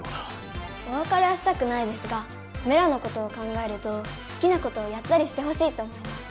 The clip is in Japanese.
おわかれはしたくないですがメラのことを考えるとすきなことをやったりしてほしいと思います。